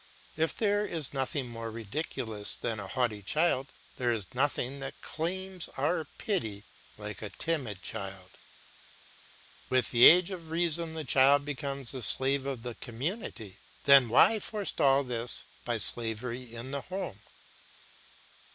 If there is nothing more ridiculous than a haughty child, there is nothing that claims our pity like a timid child. With the age of reason the child becomes the slave of the community; then why forestall this by slavery in the home?